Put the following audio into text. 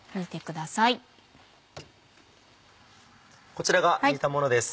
こちらが煮えたものです。